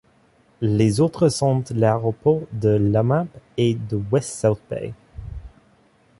Les autres sont l'aéroport de Lamap et de West South Bay.